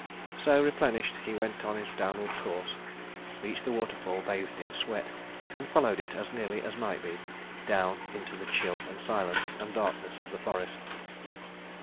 So replenished, he went on his downward course, reached the waterfall bathed in sweat, and followed it as nearly as might be down into the chill and silence and darkness of the forest.